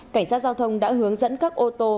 cảnh sát giao thông đã hướng dẫn các ô tô